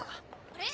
あれ？